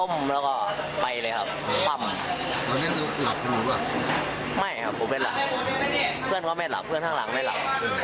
ไม่ครับผู้เป็นหลักเพื่อนก็ไม่หลับเพื่อนข้างหลังไม่หลัก